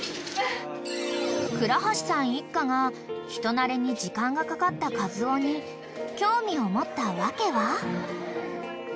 ［倉橋さん一家が人馴れに時間がかかったカズオに興味を持った訳は？］